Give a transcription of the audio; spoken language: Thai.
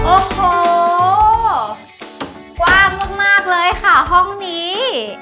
โอ้โหกว้างมากเลยค่ะห้องนี้